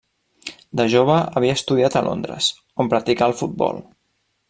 De jove havia estudiat a Londres, on practicà el futbol.